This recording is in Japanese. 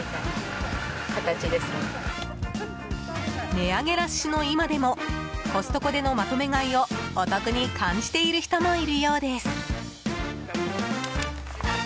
値上げラッシュの今でもコストコでのまとめ買いをお得に感じている人もいるようです。